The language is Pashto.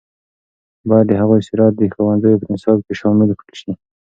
باید د هغوی سیرت د ښوونځیو په نصاب کې شامل کړل شي.